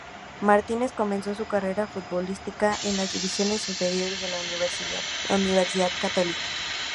Martínez comenzó su carrera futbolística en las divisiones inferiores de la Universidad Católica.